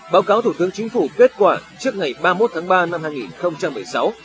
báo cáo thủ tướng chính phủ kết quả trước ngày ba mươi một tháng ba năm hai nghìn một mươi sáu